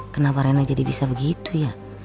kenapa rena jadi bisa begitu ya